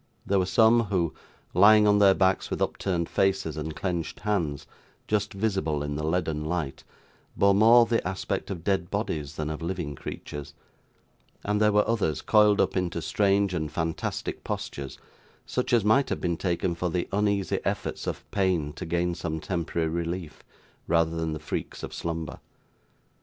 There were some who, lying on their backs with upturned faces and clenched hands, just visible in the leaden light, bore more the aspect of dead bodies than of living creatures; and there were others coiled up into strange and fantastic postures, such as might have been taken for the uneasy efforts of pain to gain some temporary relief, rather than the freaks of slumber.